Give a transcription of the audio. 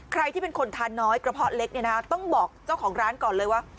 ใครที่เป็นคนทานน้อยกระเพาะเล็กเนี่ยนะต้องบอกเจ้าของร้านก่อนเลยว่า